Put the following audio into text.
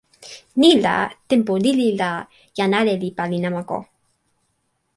ni la, tenpo lili la, jan ale li pali namako.